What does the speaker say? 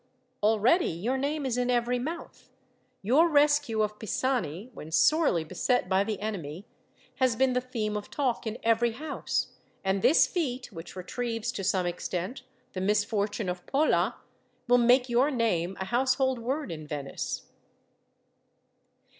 Already your name is in every mouth. Your rescue of Pisani, when sorely beset by the enemy, has been the theme of talk in every house; and this feat, which retrieves, to some extent, the misfortune of Pola, will make your name a household word in Venice."